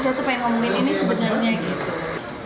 saya tuh pengen ngomongin ini sebenarnya gitu